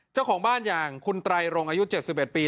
เจ้าของบ้านอย่างคุณตรายโรงอายุเจ็ดสิบเอ็ดปี